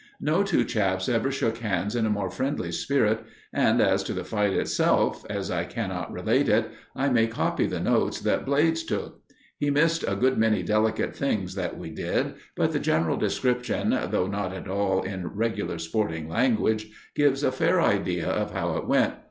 No two chaps ever shook hands in a more friendly spirit, and as to the fight itself, as I cannot relate it, I may copy the notes that Blades took. He missed a good many delicate things that we did, but the general description, though not at all in regular sporting language, gives a fair idea of how it went.